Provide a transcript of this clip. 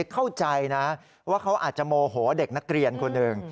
เข้าใจนะว่าเขาอาจจะโมโหเด็กนักเรียนคนหนึ่ง